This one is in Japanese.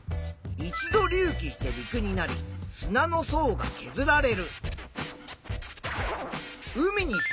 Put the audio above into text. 再び隆起して陸になり泥の層がけずられる。